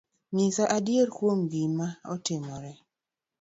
Nyisa adier kuom gima notimore